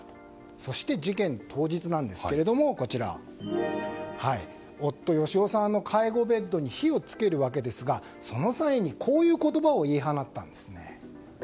そして、事件当日夫・芳男さんの介護ベッドに火を付けるわけですがその際に、こういう言葉を言い放ったんです。